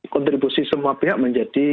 kontribusi semua pihak menjadi